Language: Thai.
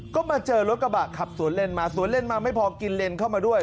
ก็มาเจอรถกระบะขับสวนเล่นมาสวนเล่นมาไม่พอกินเลนเข้ามาด้วย